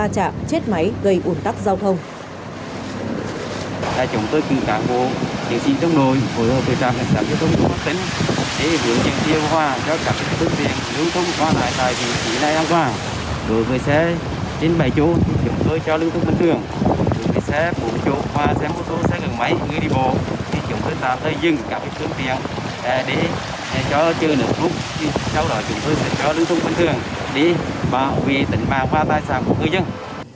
tránh xảy ra tình trạng va chạm chết máy gây ủn tắc giao thông